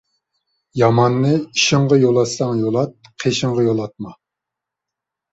ياماننى ئېشىڭغا يولاتساڭ يولات، قېشىڭغا يولاتما.